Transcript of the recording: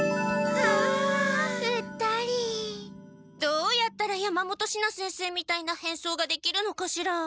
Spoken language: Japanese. どうやったら山本シナ先生みたいな変装ができるのかしら？